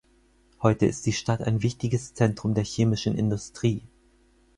Heute ist die Stadt ein wichtiges Zentrum der chemischen Industrie.